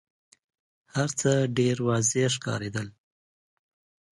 هرڅه ډېر واضح ښکارېدل.